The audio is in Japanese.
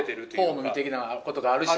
ホーム的なことがあるし？